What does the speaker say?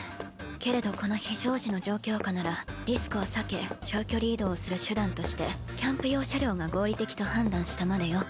けれどこの非常時の状況下ならリスクを避け長距離移動をする手段としてキャンプ用車両が合理的と判断したまでよ。